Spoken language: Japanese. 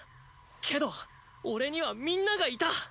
けど俺にはみんながいた。